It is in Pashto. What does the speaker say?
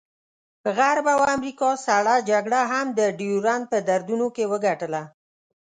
غرب او امریکا سړه جګړه هم د ډیورنډ په دردونو کې وګټله.